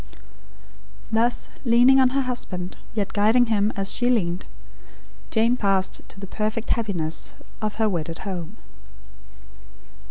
Thus, leaning on her husband; yet guiding him as she leaned; Jane passed to the perfect happiness of her wedded home.